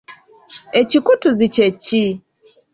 Ekikutuzi kye ki?